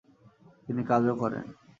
তিনি কাজও করেন।